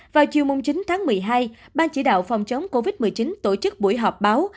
vào chiều chín tháng một mươi hai ban chỉ đạo phòng chống covid một mươi chín tổ chức buổi họp báo